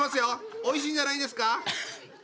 おいしいんじゃないですか？